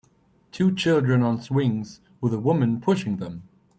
Two children on swings with a woman pushing them